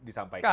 karena saya tahu